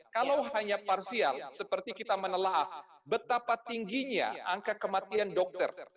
kalau hanya parsial seperti kita menelah betapa tingginya angka kematian dokter